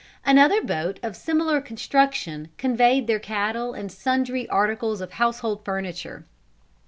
Another boat of similar construction conveyed their cattle and sundry articles of household furniture.